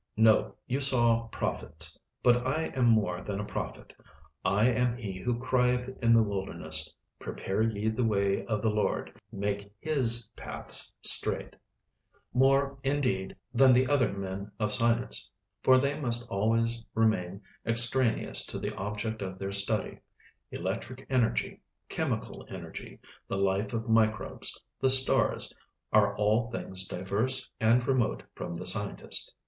No, you saw prophets; but I am more than a prophet; I am he who crieth in the wilderness: prepare ye the way of the Lord, make His paths straight. More, indeed, than the other men of science; for they must always remain extraneous to the object of their study: electric energy, chemical energy, the life of microbes, the stars, are all things diverse and remote from the scientist.